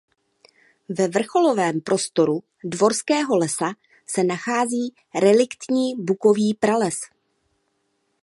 Ve vrcholovém prostoru Dvorského lesa se nachází reliktní bukový prales.